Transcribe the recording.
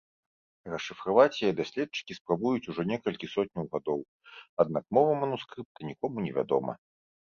Расшыфраваць яе даследчыкі спрабуюць ужо некалькі сотняў гадоў, аднак мова манускрыпта нікому не вядома.